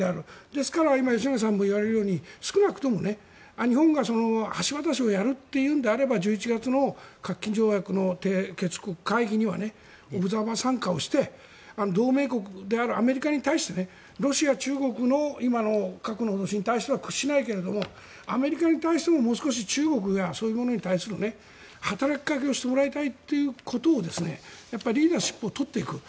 だから吉永さんが言うように少なくとも日本が橋渡しをやるというんであれば１１月の核禁条約の締結国会議にはオブザーバー参加をして同盟国であるアメリカに対してロシア、中国の今の核の脅しに対しては屈しないけどアメリカに対してももう少し中国がそういうものに対する働きかけをしてもらいたいということをリーダーシップを取っていく。